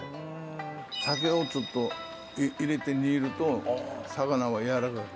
酒をちょっと入れて煮ると魚がやわらかくなる。